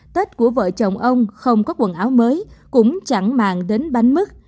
tết của vợ chồng ông không có quần áo mới cũng chẳng màng đến bánh mứt